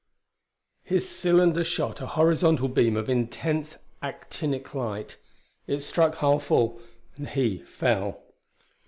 His cylinder shot a horizontal beam of intense actinic light. It struck Harl full, and he fell.